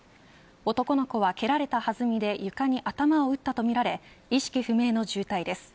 男の子は蹴られた弾みで床に頭を打ったとみられ意識不明の重体です。